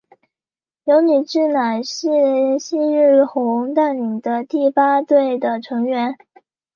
油女志乃是夕日红带领的第八队的成员。